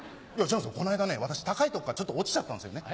この間ね私高いとこからちょっと落ちちゃったんですよね。